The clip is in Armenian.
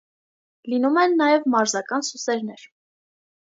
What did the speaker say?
Լինում են նաև մարզական սուսերներ։